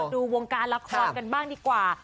ดูวงการละครกันบ้างดีกว่า